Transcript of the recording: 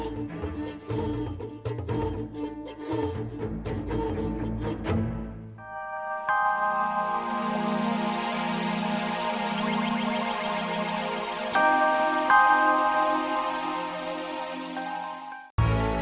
jangan lupa untuk berlangganan